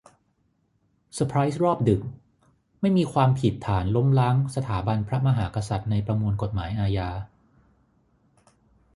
เซอร์ไพรส์รอบดึก ! ไม่มีความผิดฐานล้มล้างสถาบันพระมหากษัตริย์ในประมวลกฎหมายอาญา